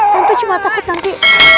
tante cuma takut nanti